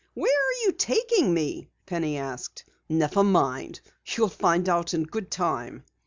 "Where are you taking me?" Penny asked. "Never mind. You'll find out in good time."